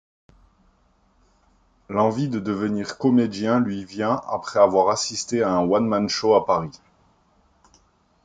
L'envie de devenir comédien lui vient après avoir assisté à un one-man-show à Paris.